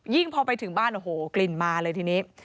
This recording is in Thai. พอไปถึงบ้านโอ้โหกลิ่นมาเลยทีนี้